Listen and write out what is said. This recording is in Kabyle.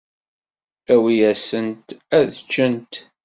Awi-yasent ad ččent.